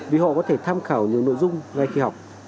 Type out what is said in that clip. vì họ có thể tham khảo nhiều nội dung ngay khi học